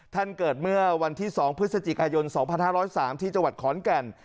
เกิดเมื่อวันที่๒พฤศจิกายน๒๕๐๓ที่จังหวัดขอนแก่น